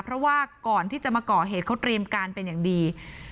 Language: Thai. เพราะว่าก่อนที่จะมาก่อเหตุเขาเตรียมการเป็นอย่างดี